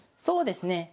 そうですね。